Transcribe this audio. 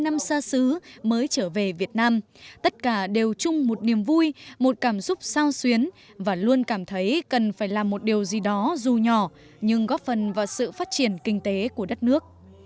bảy mươi năm xa xứ mới trở về việt nam tất cả đều chung một niềm vui một cảm xúc sao xuyến và luôn cảm thấy cần phải làm một điều gì đó dù nhỏ nhưng góp phần vào sự phát triển kinh tế của đất nước